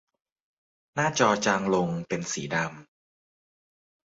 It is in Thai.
หน้าจอจางลงเป็นสีดำ